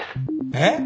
えっ？